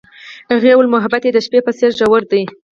هغې وویل محبت یې د شپه په څېر ژور دی.